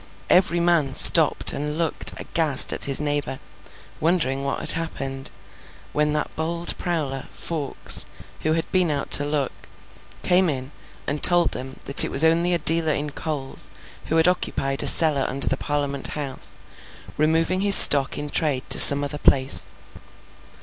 Every man stopped and looked aghast at his neighbour, wondering what had happened, when that bold prowler, Fawkes, who had been out to look, came in and told them that it was only a dealer in coals who had occupied a cellar under the Parliament House, removing his stock in trade to some other place.